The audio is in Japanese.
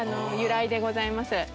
由来でございます。